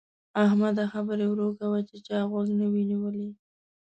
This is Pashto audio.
احمده! خبرې ورو کوه چې چا غوږ نه وي نيولی.